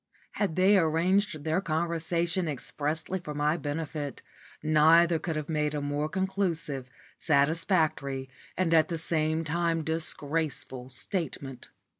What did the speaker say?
Had they arranged their conversation expressly for my benefit, neither could have made a more conclusive, satisfactory, and at the same time disgraceful statement.